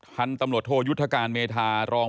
ท่านตำรวจโทยุทธการเมธารอง